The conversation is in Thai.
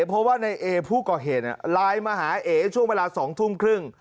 เพราะว่าในเอผู้ก่อเหตุไลน์มาหาเอ๋ช่วงเวลา๒ทุ่มครึ่ง